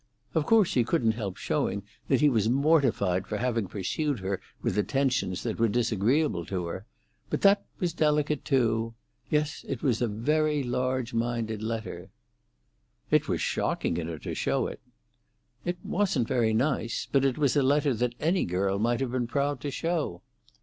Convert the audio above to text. Of course he couldn't help showing that he was mortified for having pursued her with attentions that were disagreeable to her; but that was delicate too. Yes, it was a very large minded letter." "It was shocking in her to show it." "It wasn't very nice. But it was a letter that any girl might have been proud to show."